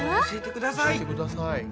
教えてください。